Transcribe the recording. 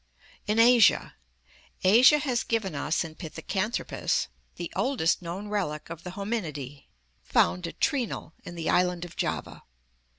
In Asia. — Asia has given us in Pithecanthropus (page 676) the oldest known relic of the Hominidae, found at Trinil in the island of Java.